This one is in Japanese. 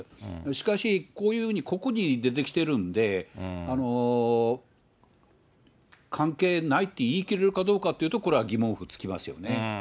しかし、こういうふうに個々に出てきてるんで、関係ないって言い切れるかどうかっていうと、これは疑問符つきますよね。